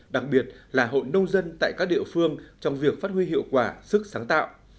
đặc biệt là hội nông dân tại các địa phương trong việc phát huy hiệu quả sức sáng tạo